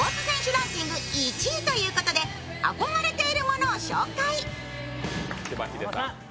ランキング１位ということで憧れているものを紹介。